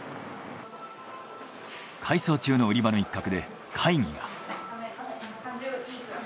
改装中の売り場の一角で会議が。